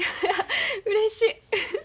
うれしい。